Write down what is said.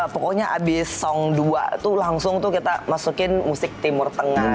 pokoknya abis song dua tuh langsung tuh kita masukin musik timur tengah